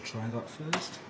そうですね。